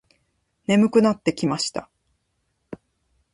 眠くなってきました。